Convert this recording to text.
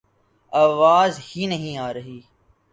آواز ہی نہیں آرہی